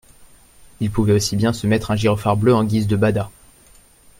il pouvait aussi bien se mettre un gyrophare bleu en guise de bada.